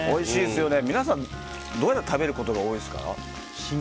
どうやって食べることが多いですか？